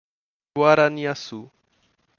Guaraniaçu